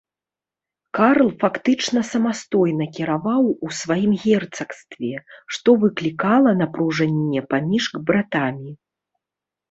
Карл фактычна самастойна кіраваў у сваім герцагстве, што выклікала напружанне паміж братамі.